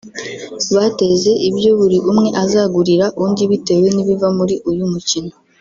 bateze ibyo buri umwe azagurira undi bitewe n’ibiva muri uyu mukino